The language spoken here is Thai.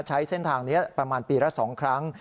ใช้เส้นทางนี้ประมาณปีละ๒ครั้ง